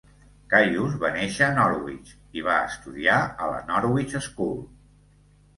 Caius va néixer a Norwich i va estudiar a la Norwich School.